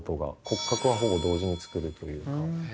骨格はほぼ同時に作るというか。